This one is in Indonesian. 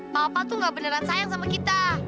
papa tuh gak beneran sayang sama kita